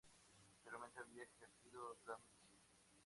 Anteriormente había ejercido la medicina.